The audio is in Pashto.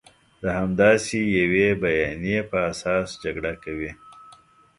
د همداسې یوې بیانیې په اساس جګړه کوي.